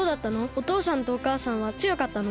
おとうさんとおかあさんはつよかったの？